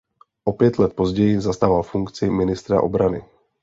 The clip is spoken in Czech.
O pět let později zastával funkci ministra obrany.